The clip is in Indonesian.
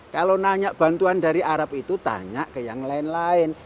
kalau nanya bantuan dari arab itu tanya ke yang lain lain